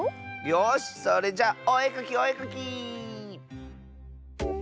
よしそれじゃおえかきおえかき！